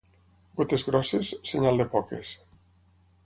Gotes grosses, senyal de poques.